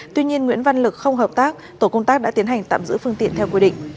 tuy nhiên nguyễn văn lực không hợp tác tổ công tác đã tiến hành tạm giữ phương tiện theo quy định